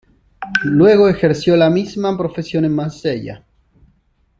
Luego ejerció la misma profesión en Marsella.